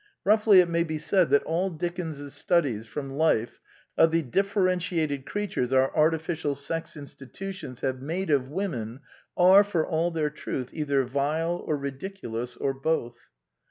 Roughly it may be said that all Dickens's studies from life of the differentiated creatures our artificial sex institu tions have made of women are, for all their truth, either vile or ridiculous or both.